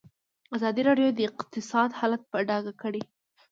ازادي راډیو د اقتصاد حالت په ډاګه کړی.